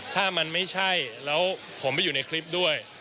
ถ้ามันไม่ใช่แล้วผมไปอยู่ในคลิปด้วย